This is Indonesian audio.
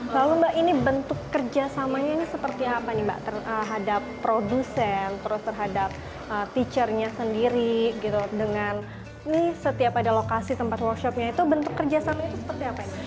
lalu mbak ini bentuk kerjasamanya ini seperti apa nih mbak terhadap produsen terus terhadap teachernya sendiri gitu dengan ini setiap ada lokasi tempat workshopnya itu bentuk kerjasama itu seperti apa